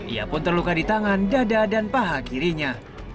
ia pun terluka di tangan dada dan paha kirinya